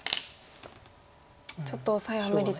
ちょっとオサエは無理と。